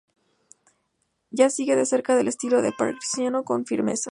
Ya sigue de cerca el estilo de Parmigianino con firmeza.